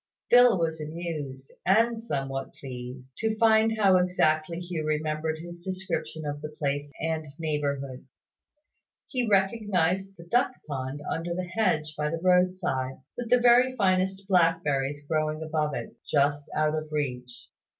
Phil was amused, and somewhat pleased, to find how exactly Hugh remembered his description of the place and neighbourhood. He recognised the duck pond under the hedge by the road side, with the very finest blackberries growing above it, just out of reach.